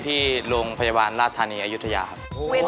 ที่โรงพยาบาลราชธานีอายุทยาครับ